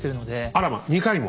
あらま２回も。